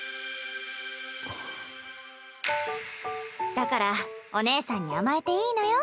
だからおねえさんに甘えていいのよ。